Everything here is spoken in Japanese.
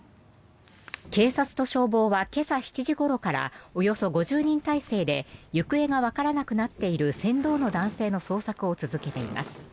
警察と消防は今朝７時ごろからおよそ５０人態勢で行方がわからなくなっている船頭の男性の捜索を続けています。